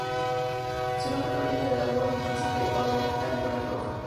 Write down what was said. Su nombre proviene del apodo del príncipe Oberyn, la "Víbora Roja".